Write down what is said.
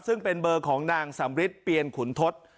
ซึ่งเป็นเบอร์ของนางสำริทเปียนขุนทศ